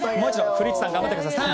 古市さん、頑張ってください！